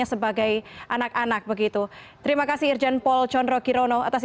seperti apa begitu